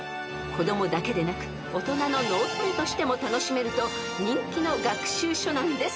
［子供だけでなく大人の脳トレとしても楽しめると人気の学習書なんです］